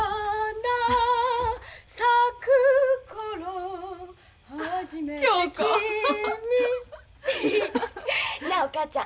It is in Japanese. なあお母ちゃん。